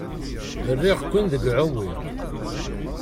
Rriɣ-ken deg uɛewwiq.